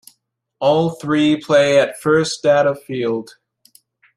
All three play at First Data Field.